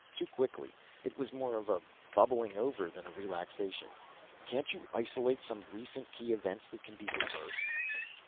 Too quickly. It was more of a bubbling over than a relaxation. "Can't you isolate some recent key events that can be reversed?"